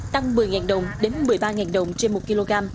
tăng một mươi đồng đến một mươi ba đồng trên một kg